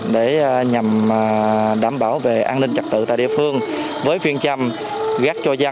để nhằm đảm bảo về an ninh trật tự tại địa phương